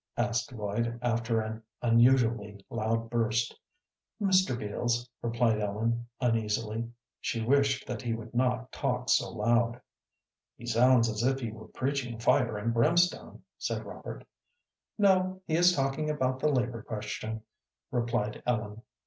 asked Lloyd, after an unusually loud burst. "Mr. Beals," replied Ellen, uneasily. She wished that he would not talk so loud. "He sounds as if he were preaching fire and brimstone," said Robert. "No, he is talking about the labor question," replied Ellen.